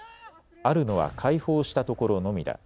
あるのは解放したところのみだ。